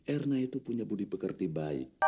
erna itu punya budi pekerti baik